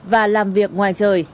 và làm việc ngoài trời